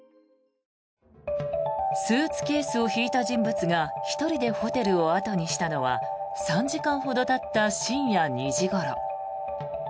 スーツケースを引いた人物が１人でホテルを後にしたのは３時間ほどたった深夜２時ごろ。